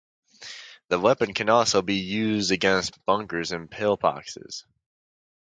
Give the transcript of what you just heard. The weapon can also be used against bunkers and pillboxes.